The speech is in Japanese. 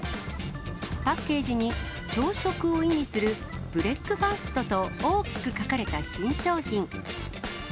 パッケージに、朝食を意味するブレックファーストと大きく書かれた新商品。